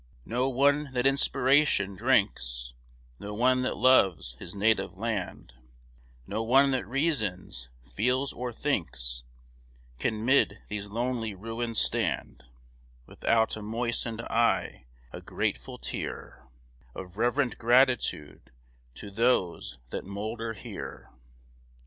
No one that inspiration drinks, No one that loves his native land, No one that reasons, feels, or thinks, Can mid these lonely ruins stand Without a moistened eye, a grateful tear Of reverent gratitude to those that moulder here.